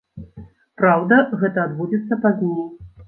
Праўда, гэта адбудзецца пазней.